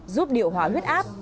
giúp điều hòa huyết áp